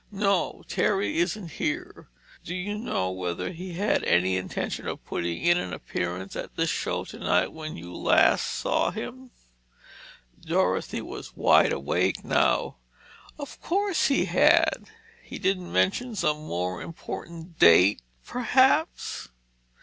"No, Terry isn't here. Do you know whether he had any intention of putting in an appearance at this show tonight when you last saw him?" Dorothy was wide awake now. "Of course he had!" "He didn't mention some more important date, perhaps?"